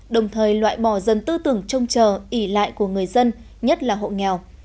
đồng thời loại bỏ dần tư tưởng trông chờ ỉ lại của người dân nhất là hộ nghèo